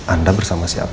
anda bersama siapa